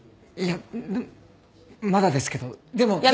いやまだですけどでも。